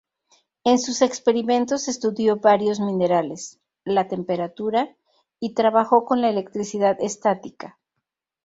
En sus experimentos estudió varios minerales, la temperatura, y trabajó con la electricidad estática.